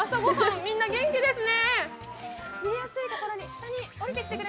みんな元気ですね。